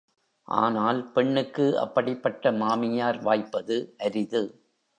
ஆனால் பெண்ணுக்கு அப்படிப் பட்ட மாமியார் வாய்ப்பது அரிது.